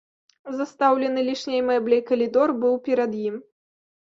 Застаўлены лішняй мэбляй калідор быў перад ім.